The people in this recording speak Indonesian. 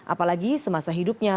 apalagi semasa hidupnya